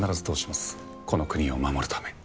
この国を守るために。